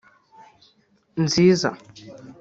nziza